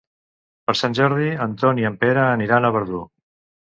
Per Sant Jordi en Ton i en Pere aniran a Verdú.